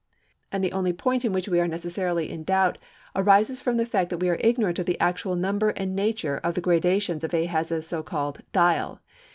And the only point in which we are necessarily in doubt arises from the fact that we are ignorant of the actual number and nature of the graduations of Ahaz's so called "Dial."